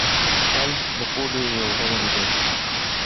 فلج د پولیو یو ډول دی.